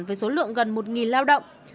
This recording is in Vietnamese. với số lượng gần một lao động